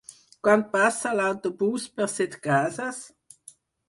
Quan passa l'autobús per Setcases?